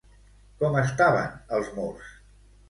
Com estaven els murs?